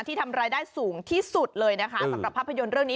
ทำรายได้สูงที่สุดเลยนะคะสำหรับภาพยนตร์เรื่องนี้